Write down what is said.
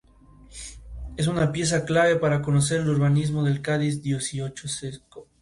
Es una pieza clave para conocer el urbanismo del Cádiz dieciochesco.